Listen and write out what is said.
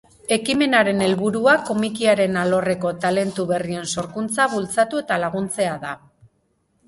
Ekimenaren helburua komikaren alorreko talentu berrien sorkuntza bultzatu eta laguntzea da.